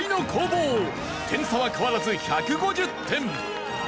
点差は変わらず１５０点。